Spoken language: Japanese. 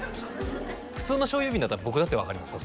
普通の醤油瓶だったら僕だって分かります